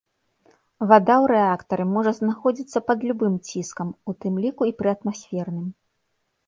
Вада ў рэактары можа знаходзіцца пад любым ціскам, у тым ліку і пры атмасферным.